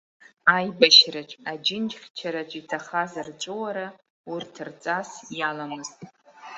Аибашьраҿ, аџьынџьхьчараҿ иҭахаз рҵәыуара урҭ рҵас иаламызт.